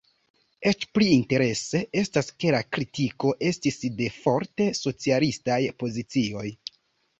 Eĉ pli interese estas ke la kritiko estis de forte socialistaj pozicioj.